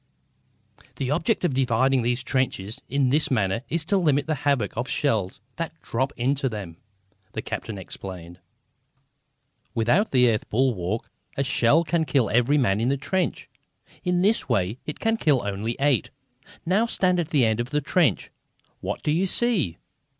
"The object of dividing these trenches in this manner is to limit the havoc of shells that drop into them," the captain explained. "Without the earth bulwark a shell can kill every man in the trench. In this way it can kill only eight. Now stand at this end of the trench. What do you see?"